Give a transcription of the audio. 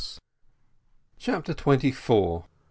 CHAPTER TWENTY FOUR.